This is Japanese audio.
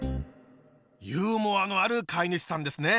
ユーモアのある飼い主さんですね！